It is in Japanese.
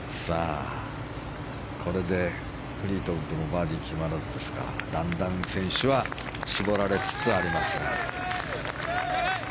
これでフリートウッドもバーディー決まらずですがだんだん選手は絞られつつありますが。